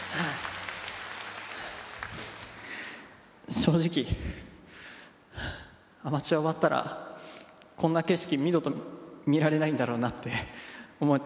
正直アマチュア終わったらこんな景色二度と見られないんだろうなって思ってました。